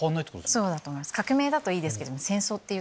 そうだと思います。